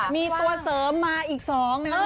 มีตัวเสริมมาอีก๒นะครับ